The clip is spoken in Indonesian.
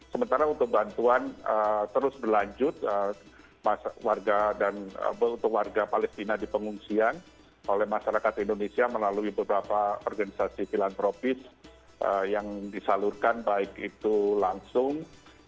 sementara untuk bantuan terus berlanjut warga dan untuk warga palestina di pengungsian oleh masyarakat indonesia melalui beberapa organisasi filantropis yang disalurkan baik itu langsung